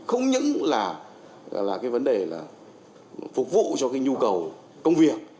không những là cái vấn đề là phục vụ cho cái nhu cầu công việc